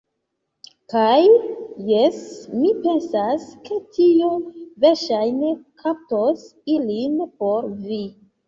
Kaj... jes, mi pensas ke tio verŝajne kaptos ilin por vi.